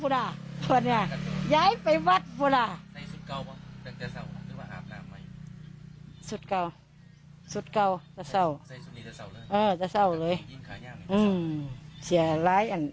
ร้านนั้น